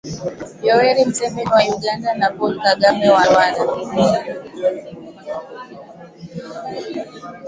Yoweri Museveni wa Uganda na Paul Kagame wa Rwanda